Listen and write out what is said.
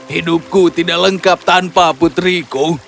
hidupku tidak lengkap tanpa putriku